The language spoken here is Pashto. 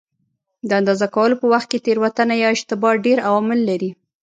د اندازه کولو په وخت کې تېروتنه یا اشتباه ډېر عوامل لري.